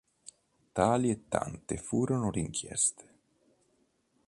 Tali e tante furono le inchieste.